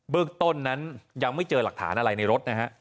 เรื่องต้นนั้นยังไม่เจอหลักฐานอะไรในรถนะฮะ